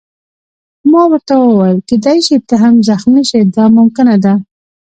ما ورته وویل: کېدای شي ته هم زخمي شې، دا ممکنه ده.